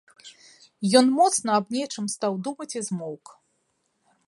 Ён моцна аб нечым стаў думаць і змоўк.